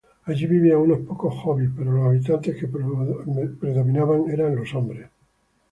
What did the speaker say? Allí vivían unos pocos hobbits, pero los habitantes que predominaban eran los hombres.